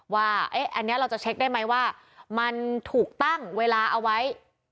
ว่าอันนี้เราจะเช็คได้ไหมว่ามันถูกตั้งเวลาเอาไว้